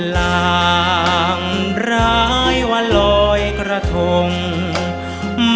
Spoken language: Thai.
ล้างร้ายว่าลอยกระทงเธอ